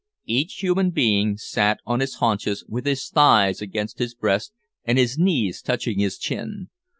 Each human being sat on his haunches with his thighs against his breast, and his knees touching his chin.